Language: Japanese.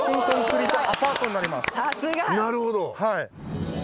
なるほど。